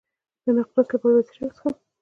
د نقرس لپاره باید څه شی وڅښم؟